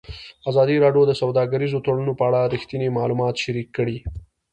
ازادي راډیو د سوداګریز تړونونه په اړه رښتیني معلومات شریک کړي.